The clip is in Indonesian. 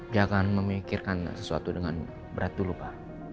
dia akan memikirkan sesuatu dengan berat dulu pa